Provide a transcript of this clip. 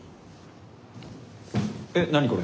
えっ何これ？